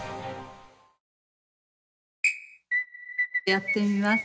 やってみます